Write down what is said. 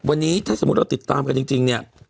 วันนี้ถ้าสมมุติเราติดตามกันจริงเนี่ย